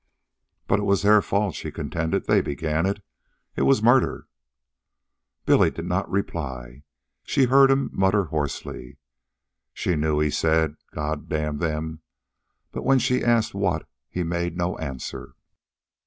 "But it was their fault," she contended. "They began it. It was murder." Billy did not reply, but she heard him mutter hoarsely. She knew he said "God damn them"; but when she asked, "What?" he made no answer.